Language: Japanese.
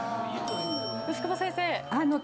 牛窪先生。